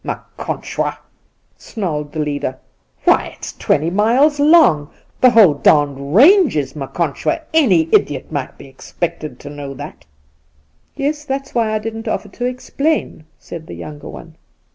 ,' Maconchwa !' snarled the leader, ' why, it's twenty miles long ! The whole d d range is Maconchwa. Any idiot might be expected to know that.' Induna Nairii 8i ' Yes, that's why I didn't offer to explain,' said the younger one.